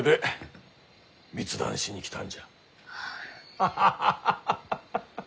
ハハハハハハッ！